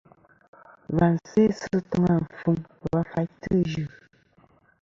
Và sæ sɨ toŋ afuŋ va faytɨ Ɨ yɨ.